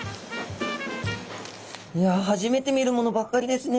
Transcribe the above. いや初めて見るものばかりですね。